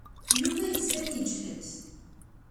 Yuba yettban yeǧhed.